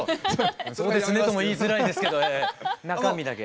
「そうですね」とも言いづらいんですけど中身だけ。